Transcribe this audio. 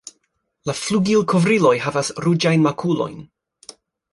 La flugilkovriloj havas ruĝajn makulojn.